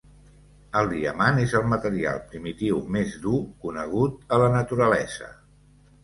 El diamant és el material primitiu més dur conegut a la naturalesa.